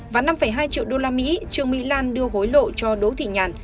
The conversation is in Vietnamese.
và năm hai triệu usd trương mỹ lan đưa hối lộ cho đỗ thị nhàn